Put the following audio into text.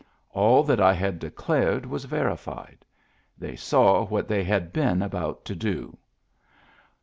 All that I had declared was verified ; they saw what they had been about to do.